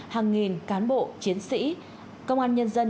hàng nghìn cán bộ chiến sĩ công an nhân dân